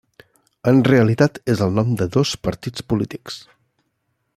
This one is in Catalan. En realitat és el nom de dos partits polítics.